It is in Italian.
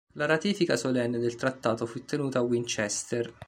La ratifica solenne del trattato fu tenuta a Winchester.